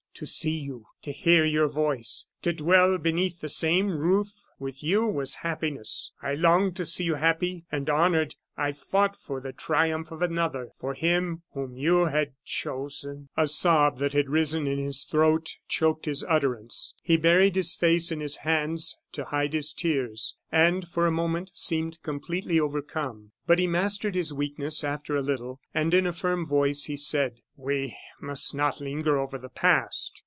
To see you, to hear your voice, to dwell beneath the same roof with you, was happiness. I longed to see you happy and honored; I fought for the triumph of another, for him whom you had chosen " A sob that had risen in his throat choked his utterance; he buried his face in his hands to hide his tears, and, for a moment, seemed completely overcome. But he mastered his weakness after a little and in a firm voice, he said: "We must not linger over the past.